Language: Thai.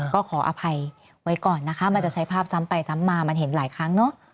ก็ขออภัยไว้ก่อนนะคะมันจะใช้ภาพซ้ำไปซ้ำมามันเห็นหลายครั้งเนอะ